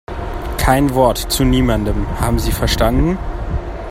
Kein Wort zu niemandem, haben Sie verstanden?